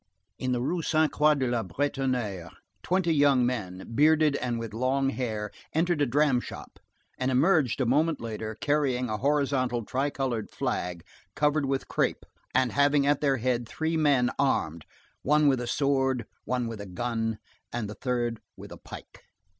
In the Rue Sainte Croix de la Bretonnerie, twenty young men, bearded and with long hair, entered a dram shop and emerged a moment later, carrying a horizontal tricolored flag covered with crape, and having at their head three men armed, one with a sword, one with a gun, and the third with a pike.